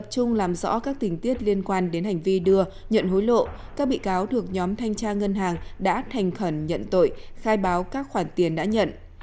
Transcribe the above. tập trung làm rõ các tình tiết liên quan đến hành vi đưa nhận hối lộ các bị cáo thuộc nhóm thanh tra ngân hàng đã thành khẩn nhận tội khai báo các khoản tiền đã nhận